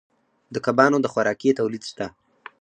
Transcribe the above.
د کبانو د خوراکې تولید شته